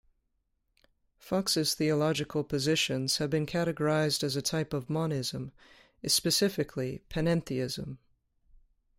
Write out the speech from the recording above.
Fox's theological positions have been categorized as a type of monism, specifically panentheism.